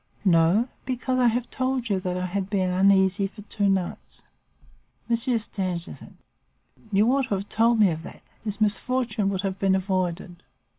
No; because I have told you that I had been uneasy for two nights. "M. Stangerson. You ought to have told me of that! This misfortune would have been avoided.